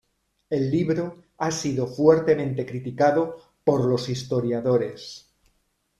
El libro ha sido fuertemente criticado por los historiadores.